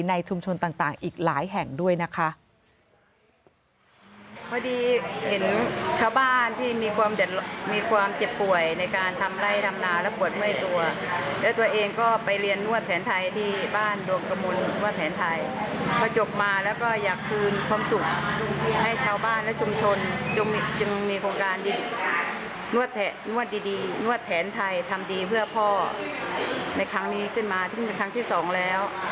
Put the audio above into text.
ในชุมชนต่างอีกหลายแห่งด้วยนะคะ